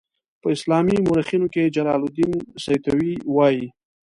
په اسلامي مورخینو کې جلال الدین سیوطي وایي.